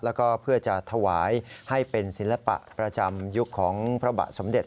แล้วก็เพื่อจะถวายให้เป็นศิลปะประจำยุคของพระบาทสมเด็จ